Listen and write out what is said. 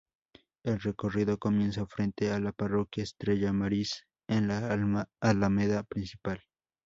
El recorrido comienza frente a la Parroquia Estrella Maris, en la Alameda Principal.